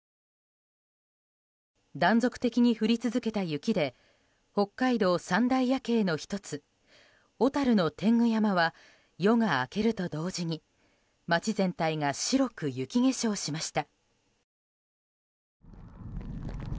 断続的に降り続けた雪で北海道三大夜景の１つ小樽の天狗山は夜が明けると同時に街全体が白く雪化粧しました。